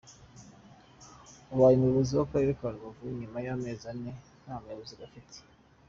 Abaye umuyobozi w’Akarere ka Rubavu nyuma y’amezi ane nta muyobozi gafite.